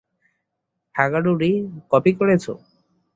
হাগারু রি, কপি করেছো?